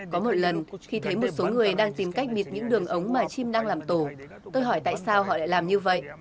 có một lần khi thấy một số người đang tìm cách bịt những đường ống mà chim đang làm tổ tôi hỏi tại sao họ lại làm như vậy